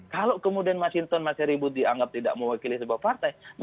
kalau kemudian mas hinton masih ribut dianggap tidak mewakili sebuah partai